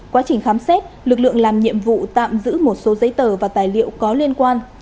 quá trình khám xét lực lượng làm nhiệm vụ tạm giữ một số giấy tờ và tài liệu có liên quan